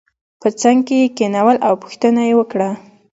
په څنګ کې یې کېنول او پوښتنه یې وکړه.